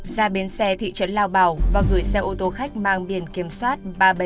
ra bên xe thị trấn lao bảo và gửi xe ô tô khách mang biển kiểm soát